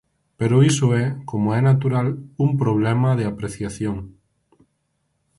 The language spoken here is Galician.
Pero iso é, como é natural, un problema de apreciación.